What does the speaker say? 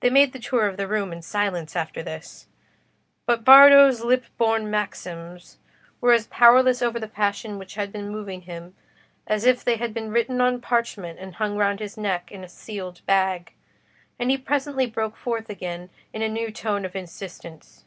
They made the tour of the room in silence after this; but Bardo's lip born maxims were as powerless over the passion which had been moving him, as if they had been written on parchment and hung round his neck in a sealed bag; and he presently broke forth again in a new tone of insistence.